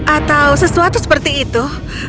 atau sesuatu seperti itu